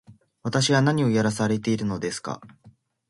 私は何をやらされているのですか